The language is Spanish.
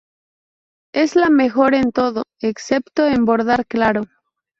Es la mejor en todo, excepto en bordar claro.